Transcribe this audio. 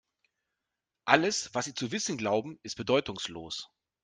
Alles, was Sie zu wissen glauben, ist bedeutungslos.